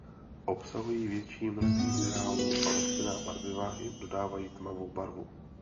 Obsahují větší množství minerálů a rostlinná barviva jim dodávají tmavou barvu.